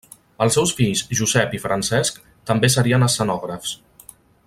Els seus fills Josep i Francesc també serien escenògrafs.